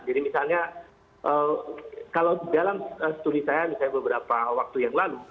jadi misalnya kalau dalam studi saya beberapa waktu yang lalu